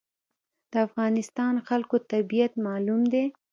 د افغانستان خلکو طبیعت معلوم دی.